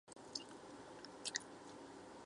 如今的马甸地区元朝时属于可封坊。